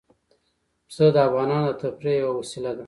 پسه د افغانانو د تفریح یوه وسیله ده.